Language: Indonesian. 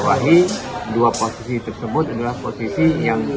jadi dua posisi tersebut adalah posisi yang